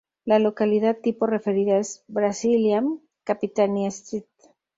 La localidad tipo referida es: “Brasiliam...Capitania St.